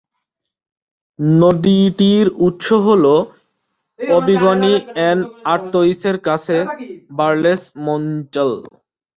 নদীটির উৎস হল অবিগনি-এন-আর্তোইসের কাছে বারলেস-মোঞ্চেল।